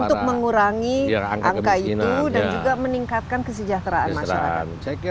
untuk mengurangi angka itu dan juga meningkatkan kesejahteraan masyarakat